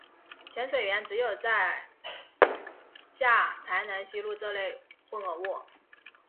潜水员只有在下才能吸入这类混合物。